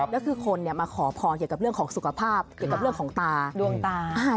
แล้วคือคนมาขอพรเกี่ยวกับเรื่องของสุขภาพเกี่ยวกับเรื่องของตาดวงตา